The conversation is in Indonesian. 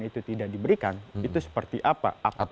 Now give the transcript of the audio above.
itu tidak diberikan itu seperti apa